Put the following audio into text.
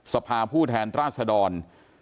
สภาผู้แทนราชดร